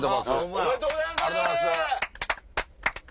ありがとうございます。